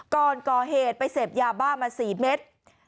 ก่อนก่อเหตุไปเสพยาบ้ามา๔เม็ด